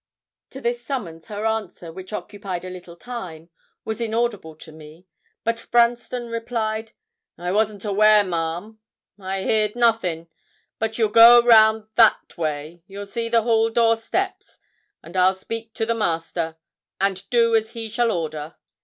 To this summons, her answer, which occupied a little time, was inaudible to me. But Branston replied 'I wasn't aware, ma'am; I heerd nothin'; if you'll go round that way, you'll see the hall door steps, and I'll speak to the master, and do as he shall order.'